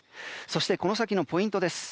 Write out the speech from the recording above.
そして、この先のポイントです。